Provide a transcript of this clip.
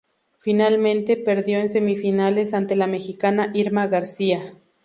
Finalmente, perdió en semifinales ante la mexicana Irma García.